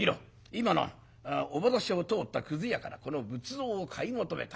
今なお窓下を通ったくず屋からこの仏像を買い求めた。